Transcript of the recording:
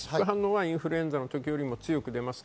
インフルエンザの時よりも強く出ます。